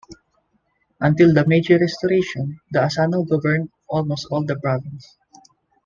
Until the Meiji Restoration, the Asano governed almost all the province.